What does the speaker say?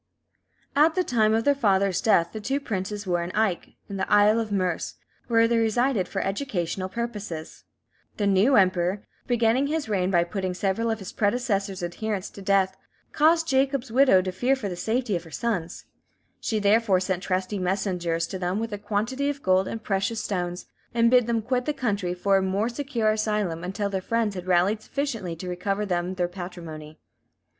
At the time of their father's death the two princes were at Aich, in the Isle of Merse, where they resided for educational purposes. The new Emperor, beginning his reign by putting several of his predecessor's adherents to death, caused Jacob's widow to fear for the safety of her sons; she therefore sent trusty messengers to them with a quantity of gold and precious stones, and bid them quit the country for a more secure asylum until their friends had rallied sufficiently to recover them their patrimony.